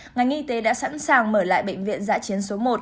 ngành y tế đã sẵn sàng mở lại bệnh viện giã chiến số một